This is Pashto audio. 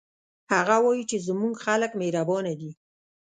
هغه وایي چې زموږ خلک مهربانه دي